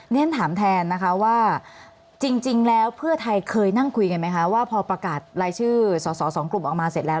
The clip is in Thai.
เรียนถามแทนนะคะว่าจริงแล้วเพื่อไทยเคยนั่งคุยกันไหมคะว่าพอประกาศรายชื่อสอสอสองกลุ่มออกมาเสร็จแล้ว